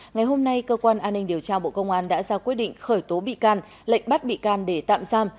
ngày hôm nay cơ quan an ninh điều tra bộ công an đã ra quyết định khởi tố bị can lệnh bắt bị can để tạm giam